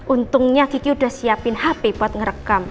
untungnya kiki udah siapin hp buat ngerekam